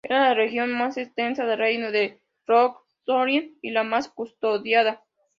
Era la región más extensa del reino de Lothlórien, y la más custodiada.